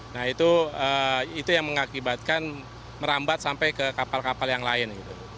nah itu yang mengakibatkan merambat sampai ke kapal kapal yang lain